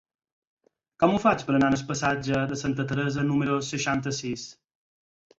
Com ho faig per anar al passatge de Santa Teresa número seixanta-sis?